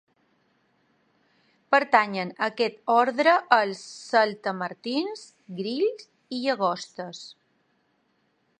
Pertanyen a aquest ordre els saltamartins, grills i llagostes.